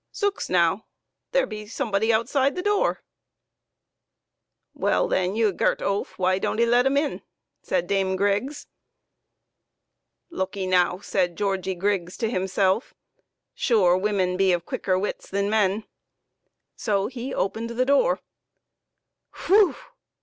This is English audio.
" Zooks now, there be somebody outside the door." " Well then, thou gert oaf, why don't 'ee let un in ?" said Dame Griggs. " Look 'ee now," said Georgie Griggs to himself, " sure women be of quicker wits than men !" So he opened the door. Whoo